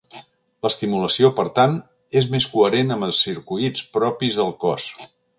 L'estimulació, per tant, és més coherent amb els circuits propis del cos.